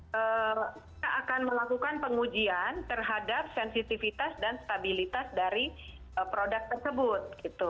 kita akan melakukan pengujian terhadap sensitivitas dan stabilitas dari produk tersebut